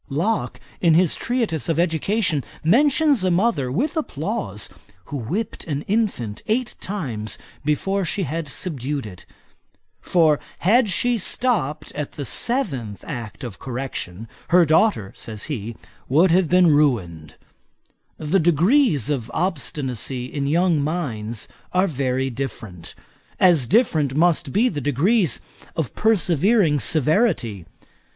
Locke, in his treatise of Education, mentions a mother, with applause, who whipped an infant eight times before she had subdued it; for had she stopped at the seventh act of correction, her daughter, says he, would have been ruined. The degrees of obstinacy in young minds, are very different; as different must be the degrees of persevering severity.